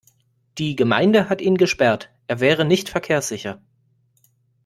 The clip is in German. Die Gemeinde hat ihn gesperrt. Er wäre nicht verkehrssicher.